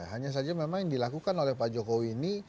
hanya saja memang yang dilakukan oleh pak jokowi ini